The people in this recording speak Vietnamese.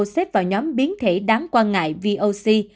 xếp vào nhóm biến thể đáng quan ngại voc